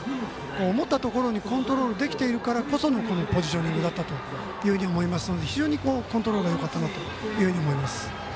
思ったところにコントロールできているからこそこのポジショニングだったと思いますので非常にコントロールがよかったなというふうに思います。